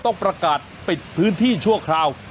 ต้องประกาศปิดพื้นที่ชั่วคราว